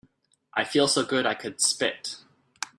I feel so good I could spit.